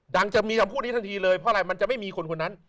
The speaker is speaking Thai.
จะมีคำพูดนี้ทันทีเลยเพราะอะไรมันจะไม่มีคนคนนั้น